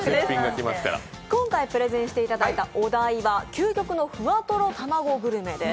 今回プレゼンしていただいたお題は究極のふわとろ卵グルメです。